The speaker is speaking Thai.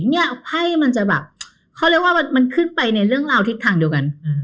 ให้มันจะแบบเขาเรียกว่ามันขึ้นไปในเรื่องเล่าทิศทางเดียวกัน